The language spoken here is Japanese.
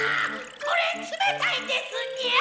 これ冷たいんですニャ！